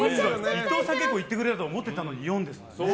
伊藤さん結構いってくれると思ったのに４ですからね。